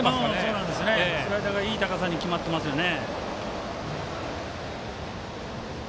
スライダーが、いい高さに決まってますよね。